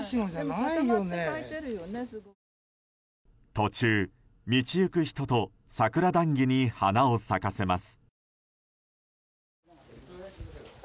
途中、道行く人と桜談議に花を咲かせます。